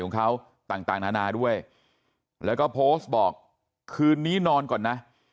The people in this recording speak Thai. ของเขาต่างนานาด้วยแล้วก็โพสต์บอกคืนนี้นอนก่อนนะ